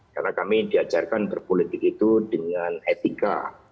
karena kami diajarkan berpolitik itu dengan etika